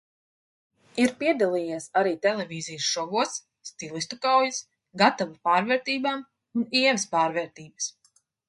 "Ir piedalījies arī televīzijas šovos – "Stilistu kaujas", "Gatava pārvērtībām" un "Ievas pārvērtības"."